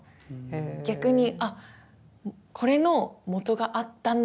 逆にあこれのもとがあったんだ！